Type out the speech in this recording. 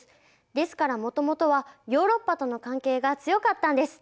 ですからもともとはヨーロッパとの関係が強かったんです。